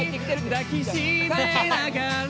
「抱きしめながら」